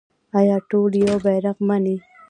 آیا ټول یو بیرغ مني؟